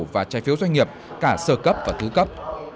và trái phiếu doanh nghiệp cả sơ cấp và thứ cấp